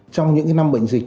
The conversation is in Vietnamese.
trong những năm bệnh dịch